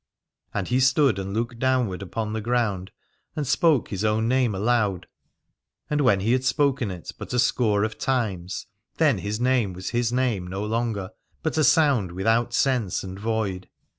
And he stood and looked downward upon the ground and spoke his own name aloud, and when he had spoken it but a score of times then his name was his name no longer, but a sound without sense and void.